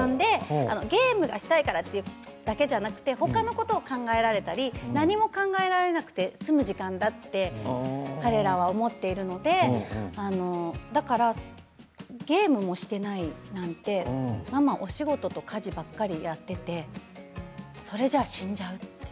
ゲームがしたいからというだけではなくてほかのこと何も考えられなくて済む時間だって彼は思っているのでだからゲームもしていないなんてママお仕事と家事ばかりやっていてそれじゃ死んじゃう。